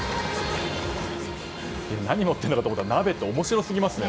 何を持っているのかと思ったら鍋って面白すぎますね。